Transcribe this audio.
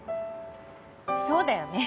そうだよね。